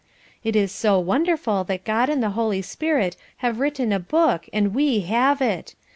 It is so wonderful that God and the Holy Spirit have written a Book and we have it!